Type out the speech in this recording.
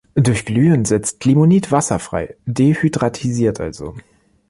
Durch Glühen setzt Limonit Wasser frei, dehydratisiert also.